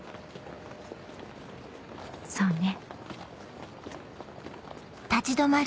そうね。